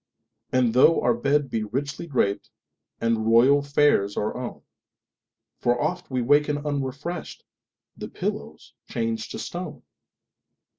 And tho our bed be richly drapedAnd royal fares our own, For oft we waken unrefreshed—The pillow's changed to stone!